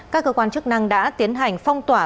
các cơ quan chức năng đã tiến hành phong tỏa